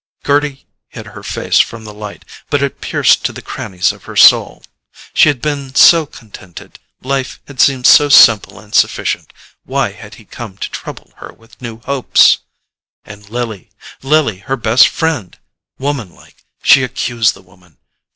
Gerty hid her face from the light, but it pierced to the crannies of her soul. She had been so contented, life had seemed so simple and sufficient—why had he come to trouble her with new hopes? And Lily—Lily, her best friend! Woman like, she accused the woman.